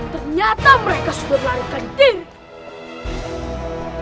ternyata mereka sudah terserah